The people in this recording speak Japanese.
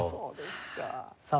さあ